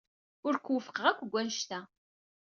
Ur k-wufqeɣ akk deg wanect-a.